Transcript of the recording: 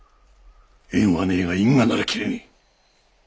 縁はねえが因果なら切れねえ。